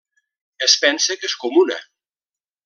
Es pensa que és comuna.